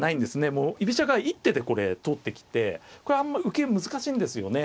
もう居飛車側一手でこれ通ってきてこれ受け難しいんですよね。